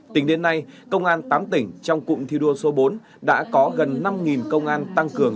tính đến nay công an tám tỉnh trong cụm thi đua số bốn đã có gần năm công an tăng cường